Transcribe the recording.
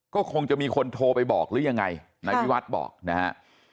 ก็คงจะมีคนโทรไปบอกหรือยังไงนายวิวัฒน์บอกนะฮะ